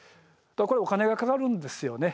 これお金がかかるんですよね。